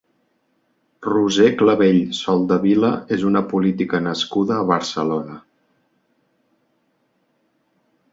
Roser Clavell Soldevila és una política nascuda a Barcelona.